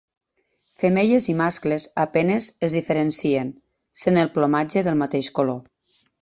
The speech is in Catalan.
Femelles i mascles a penes es diferencien, sent el plomatge del mateix color.